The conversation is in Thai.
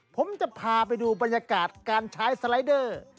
ผมจะพาไปดูบรรยากาศการใช้สไลเดอร์